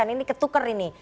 ini ketuker ini